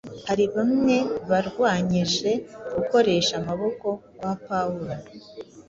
Hari bamwe barwanyije gukoresha amaboko kwa Pawulo,